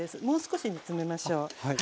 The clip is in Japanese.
もう少し煮詰めましょう。